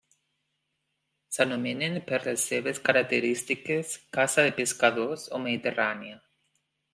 S'anomenen, per les seves característiques, casa de pescadors o mediterrània.